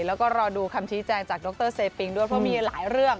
แล้วก็รอดูคำชี้แจงจากดรเซปิงด้วยเพราะมีหลายเรื่อง